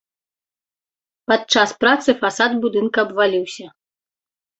Падчас працы фасад будынка абваліўся.